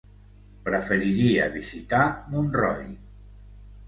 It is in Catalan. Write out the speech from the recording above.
Preferiria visitar Montroi.